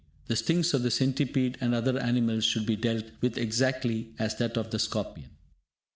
The stings of the centipede and other animals should be dealt with exactly as that of the scorpion.